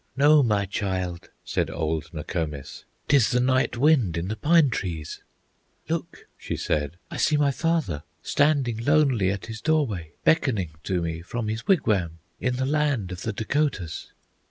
"No, my child!" said old Nokomis, "'T is the night wind in the pine trees!" "Look!" she said; "I see my father Standing lonely at his doorway, Beckoning to me from his wigwam In the land of the Dacotahs!"